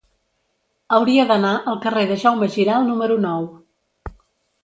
Hauria d'anar al carrer de Jaume Giralt número nou.